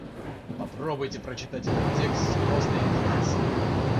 Попробуйте прочитать этот текст с грозной интонацией.